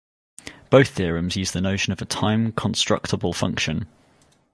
Both theorems use the notion of a time-constructible function.